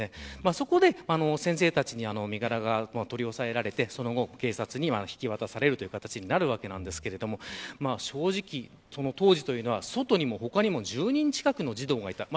そこで、先生たちに身柄を取り押さえられその後、警察に引き渡されるという形になるわけですが当時は外にも他にも１０人近くの児童がいた。